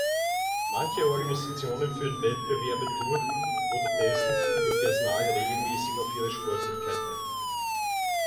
Manche Organisationen führen Wettbewerbe durch oder testen ihr Personal regelmäßig auf ihre Sportlichkeit hin.